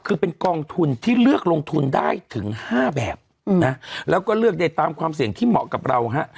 คือเป็นกองทุนที่เลือกลงทุนได้ถึง๕แบบนะแล้วก็เลือกได้ตามความเสี่ยงที่เหมาะกับเราฮะ